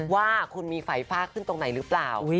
ว่าคุณมีไฟฟากขึ้นตรงไหนหรือเปล่า